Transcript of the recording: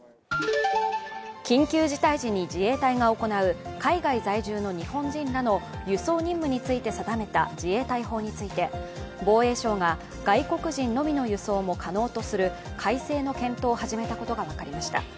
緊急事態時に自衛隊が行う海外在住の日本人らの輸送任務について定めた自衛隊法について防衛省が、外国人のみの輸送も可能とする改正の検討を始めたことが分かりました。